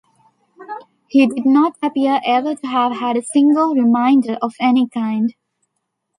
He did not appear ever to have had a single reminder of any kind.